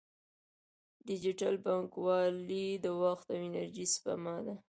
ډیجیټل بانکوالي د وخت او انرژۍ سپما ده.